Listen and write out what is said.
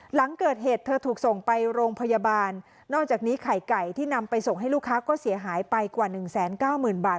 หลังเกิดเหตุเธอถูกส่งไปโรงพยาบาลนอกจากนี้ไข่ไก่ที่นำไปส่งให้ลูกค้าก็เสียหายไปกว่าหนึ่งแสนเก้าหมื่นบาท